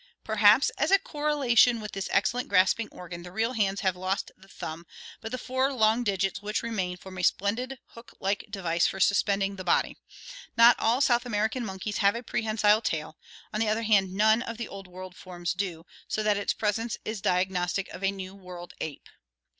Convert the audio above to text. Per haps as a correlation with this excellent grasping organ the real hands have lost the thumb, but the four long digits which remain form a splendid hook like device for suspending the body. Not all South American monkeys have a prehensile tail; on the other hand, none of the Old World forms do, so that its presence is diag nostic of a New World ape.